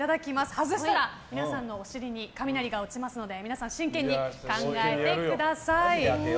外したら皆さんのおしりに雷が落ちますので皆さん、真剣に考えてください。